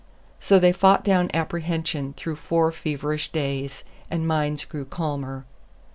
So they fought down apprehension through four feverish days, and minds grew calmer.